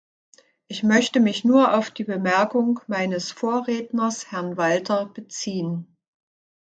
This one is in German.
Ich möchte mich nur auf die Bemerkung meines Vorredners, Herrn Walter, beziehen.